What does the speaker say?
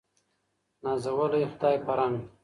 نازولی خدای په رنګ